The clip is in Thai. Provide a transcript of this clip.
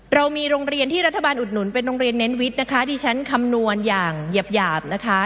เรามีโรงเรียนที่รัฐบาลอุดหนุนเป็นโรงเรียนเน้นวิทย์นะคะดิฉันคำนวณอย่างหยาบหยาบนะคะ